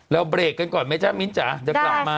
แล้วเบรกกันก่อนไหมจ๊ะมิ้นจ๋าจะกลับมา